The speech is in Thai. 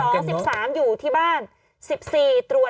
กล้องกว้างอย่างเดียว